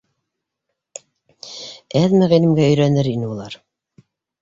Әҙме ғилемгә өйрәнер ине улар!